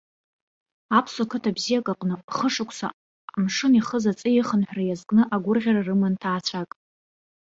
Аԥсуа қыҭа бзиак аҟны, хышықәса амшын ихыз аҵеи ихынҳәра иазкны агәырӷьара рыман ҭаацәак.